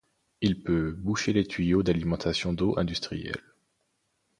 Il peut boucher les tuyaux d’alimentation d’eau industrielle.